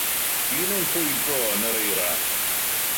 Dyn yn crwydro yn yr eira.